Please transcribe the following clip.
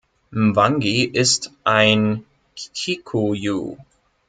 Mwangi ist ein Kikuyu.